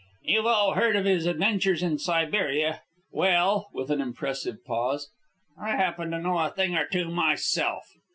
You've all heard of his adventures in Siberia. Well," with an impressive pause, "I happen to know a thing or two myself."